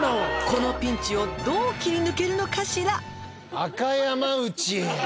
「このピンチをどう切り抜けるのかしら？」